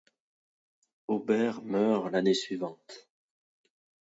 Aubert meurt l'année suivante.